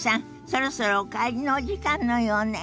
そろそろお帰りのお時間のようね。